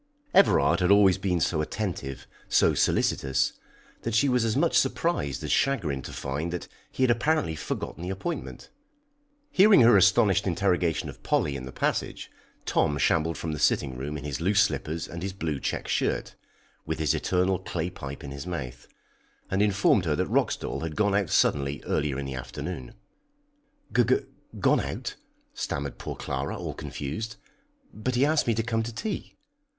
Everard had always been so attentive, so solicitous, that she was as much surprised as chagrined to find that he had apparently forgotten the appointment. Hearing her astonished interrogation of Polly in the passage, Tom shambled from the sitting room in his loose slippers and his blue check shirt, with his eternal clay pipe in his mouth, and informed her that Roxdal had gone out suddenly earlier in the afternoon. [Illustration: "TOM SHAMBLED FROM THE SITTING ROOM."] "G g one out?" stammered poor Clara, all confused. "But he asked me to come to tea."